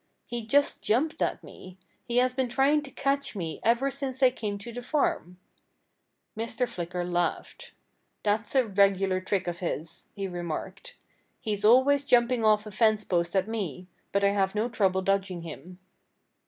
"He just jumped at me. He has been trying to catch me ever since I came to the farm." Mr. Flicker laughed. "That's a regular trick of his," he remarked. "He's always jumping off a fence post at me. But I have no trouble dodging him."